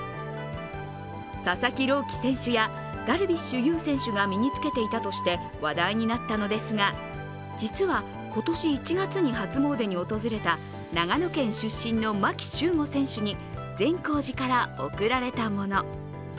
佐々木朗希選手やダルビッシュ有選手が身につけていたとして話題になったのですが、実は今年１月に初詣に訪れた長野県出身の牧秀悟選手に善光寺から贈られたもの。